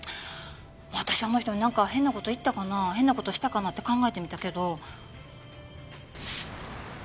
私あの人になんか変な事言ったかな変な事したかな？って考えてみたけど。